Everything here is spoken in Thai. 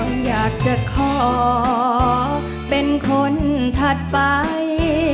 อยากจะขอเป็นคนถัดไป